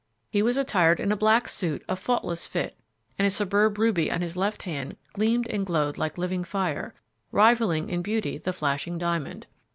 He was attired in a black suit of faultless fit, and a superb ruby on his left hand gleamed and glowed like living fire, rivalling in beauty the flashing diamond.